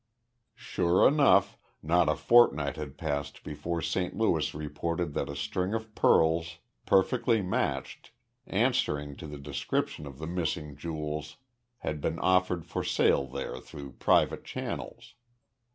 Sure enough, not a fortnight had passed before St. Louis reported that a string of pearls, perfectly matched, answering to the description of the missing jewels, had been offered for sale there through private channels.